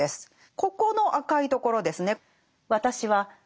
ここの赤いところですね。